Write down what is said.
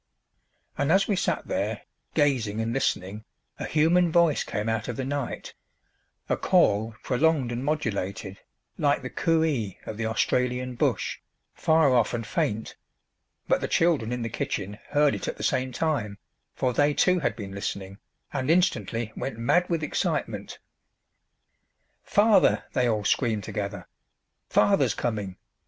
And as we sat there, gazing and listening, a human voice came out of the night a call prolonged and modulated like the coo ee of the Australian bush, far off and faint; but the children in the kitchen heard it at the same time, for they too had been listening, and instantly went mad with excitement. "Father!" they all screamed together. "Father's coming!"